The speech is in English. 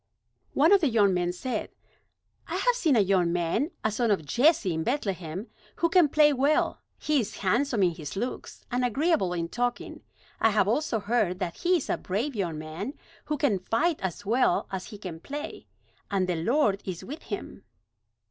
One of the young men said: "I have seen a young man, a son of Jesse in Bethlehem, who can play well. He is handsome in his looks, and agreeable in talking. I have also heard that he is a brave young man, who can fight as well as he can play, and the Lord is with him."